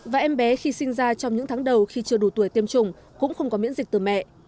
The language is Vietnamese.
và em bé khi sinh ra trong những tháng đầu khi chưa đủ tuổi tiêm chủng cũng không có miễn dịch từ mẹ